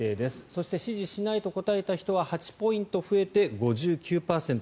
そして、支持しないと答えた人は８ポイント増えて５９％。